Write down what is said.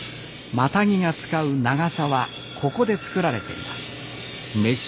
マタギが使うナガサはここで造られています